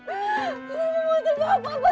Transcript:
aku tak ingin buat apa apa